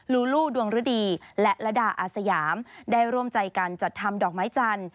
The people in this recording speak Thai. ลูลูดวงฤดีและระดาอาสยามได้ร่วมใจกันจัดทำดอกไม้จันทร์